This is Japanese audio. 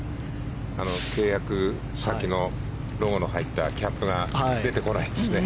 契約先のロゴの入ったキャップが出てこないですね。